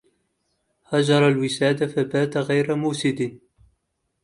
هجر الوساد فبات غير موسد